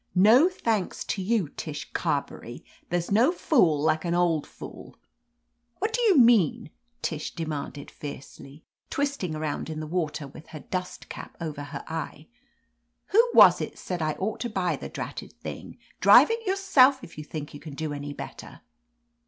"No thanks to you, Tish Carberry. There's no fool like an old fool. "What do you mean?" Tish demanded 210 OF LETITIA CARBERRY fiercely, twisting around in the water with her dust cap over her eye. "Who was it said I ought to buy the dratted thing? Drive it yourself if you think you can do any better."